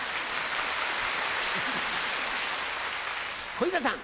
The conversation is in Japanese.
小遊三さん。